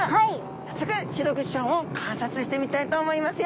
早速シログチちゃんを観察してみたいと思いますよ。